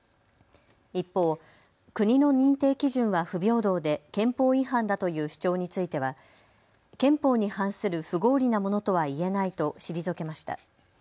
一方、国の認定基準は不平等で憲法違反だという主張については憲法に反する不合理なものとはいえないと退けました。